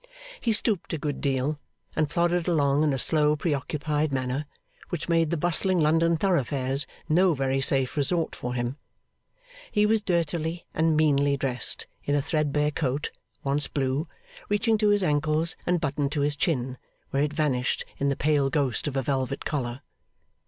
He stooped a good deal, and plodded along in a slow pre occupied manner, which made the bustling London thoroughfares no very safe resort for him. He was dirtily and meanly dressed, in a threadbare coat, once blue, reaching to his ankles and buttoned to his chin, where it vanished in the pale ghost of a velvet collar.